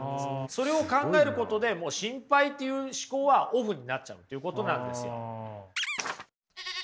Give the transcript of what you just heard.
それを考えることで心配っていう思考はオフになっちゃうということなんですよ。